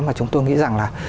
mà chúng tôi nghĩ rằng là